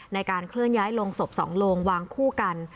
ในการเคลื่อนย้ายลงศพ๒โลงวางคู่กัน